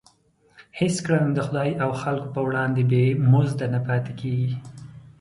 هېڅ کړنه د خدای او خلکو په وړاندې بې مزده نه پاتېږي.